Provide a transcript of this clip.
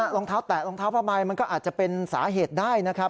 รองเท้าแตะรองเท้าผ้าใบมันก็อาจจะเป็นสาเหตุได้นะครับ